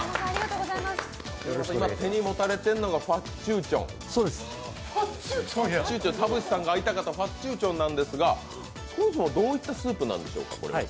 手に持たれているのが田渕さんが会いたかったファッチューチョンなんですがそもそもどういったスープなんでしょうか？